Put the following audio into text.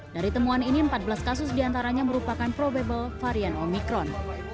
dari temuan ini empat belas kasus diantaranya merupakan probable varian omikron